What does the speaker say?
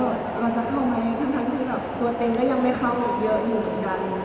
ก็คิดในใจว่าเราจะเข้ามั้ยทั้งที่ตัวเต็มก็ยังไม่เข้าเยอะอยู่เหมือนกัน